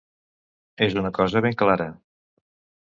És una cosa ben clara.